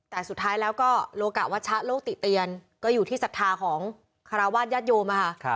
แต่สุดท้ายแล้วก็โลกะวัชชะโลกติเตียนก็อยู่ที่ศรัทธาของคาราวาสญาติโยมค่ะ